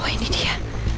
oh ini dia